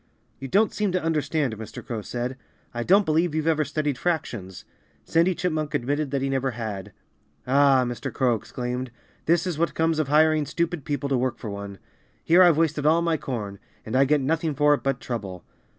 "You don't seem to understand," Mr. Crow said. "I don't believe you've ever studied fractions." Sandy Chipmunk admitted that he never had. "Ah!" Mr. Crow exclaimed. "This is what comes of hiring stupid people to work for one. Here I've wasted all my corn. And I get nothing for it but trouble."